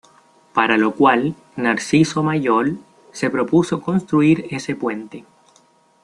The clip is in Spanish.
Para lo cual Narciso Mallol, se propuso construir ese puente.